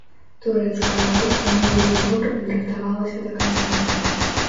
Турэцкая госця не вельмі добра падрыхтавалася да канцэрту.